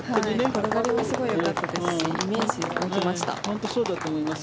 転がりがすごくよかったですしイメージも持てました。